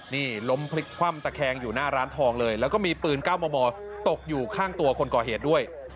นี่ล้มพลิกคว่ำตะแคงอยู่หน้าร้านทองเลยแล้วก็มีปืน๙มมตกอยู่ข้างตัวคนก่อเหตุด้วย